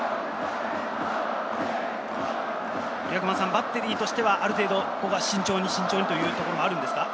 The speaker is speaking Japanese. バッテリーとしては、ある程度ここは慎重にというところもあるんですか？